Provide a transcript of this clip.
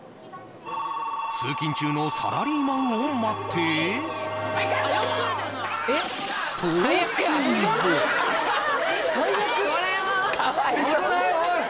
通勤中のサラリーマンを待ってはいカット！